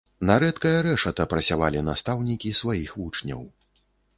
На рэдкае рэшата прасявалі настаўнікі сваіх вучняў.